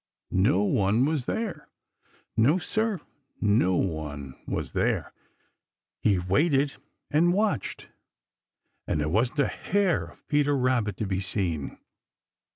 No one was there. No, Sir, no one was there! He waited and watched, and there wasn't a hair of Peter Rabbit to be seen.